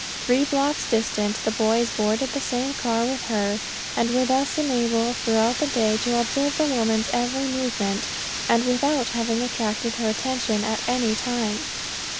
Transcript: Three blocks distant the boys boarded the same car with her, and were thus enabled throughout the day to observe the woman's every movement, and without having attracted her attention at any time.